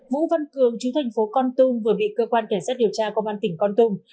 vũ văn cường chú thành phố con tum vừa bị cơ quan cảnh sát điều tra công an tỉnh con tum